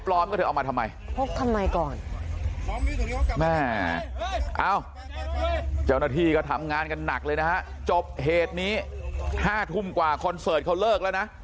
พวกมันวิ่งมาทำไม